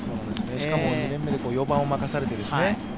しかも、２年目で４番を任されてね。